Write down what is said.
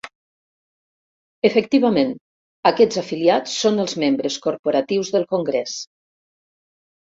Efectivament, aquests afiliats són els membres corporatius del congrés.